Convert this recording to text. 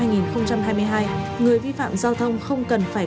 người vi phạm giao thông không cần phải